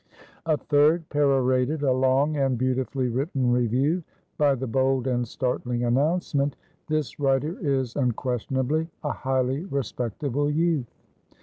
A third, perorated a long and beautifully written review, by the bold and startling announcement "This writer is unquestionably a highly respectable youth."